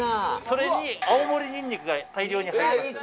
それに青森ニンニクが大量に入ります。